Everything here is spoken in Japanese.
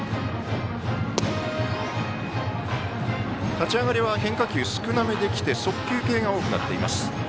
立ち上がりは変化球少なめできて速球系が多くなっています。